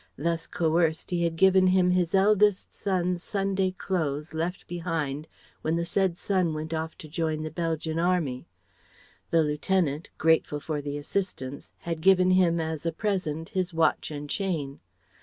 Thus coerced he had given him his eldest son's Sunday clothes left behind when the said son went off to join the Belgian army. The lieutenant, grateful for the assistance, had given him as a present his watch and chain.